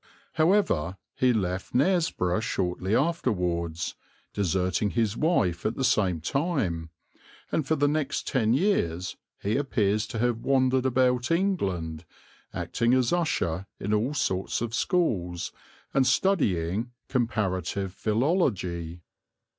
However, he left Knaresborough shortly afterwards, deserting his wife at the same time, and for the next ten years he appears to have wandered about England, acting as usher in all sorts of schools, and studying comparative philology.